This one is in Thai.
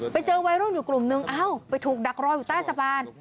ไปเจอวัยรุ่นอยู่กลุ่มนึงเอ้าไปถูกดักรออยู่ใต้สะพาน